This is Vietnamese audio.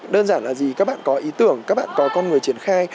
đơn giản là gì các bạn có ý tưởng các bạn có con người triển khai